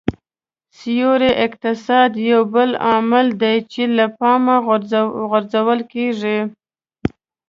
سیوري اقتصاد یو بل عامل دی چې له پامه غورځول کېږي